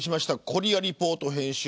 コリア・レポート編集